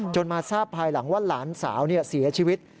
มาทราบภายหลังว่าหลานสาวเสียชีวิต